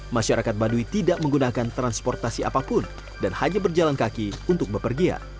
masyarakat baduy tidak menggunakan transportasi apapun dan hanya berjalan kaki untuk bepergian